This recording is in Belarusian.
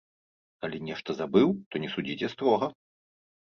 Калі нешта забыў, то не судзіце строга.